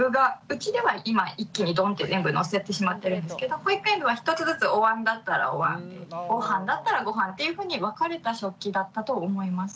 うちでは今一気にドンって全部のせてしまってるんですけど保育園では１つずつおわんだったらおわんご飯だったらご飯っていうふうに分かれた食器だったと思います。